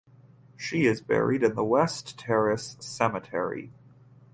She is buried in the West Terrace Cemetery.